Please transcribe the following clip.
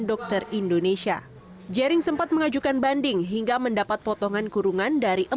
dokter indonesia jaring sempat mengajukan banding hingga mendapat potongan kurungan dari empat belas bulan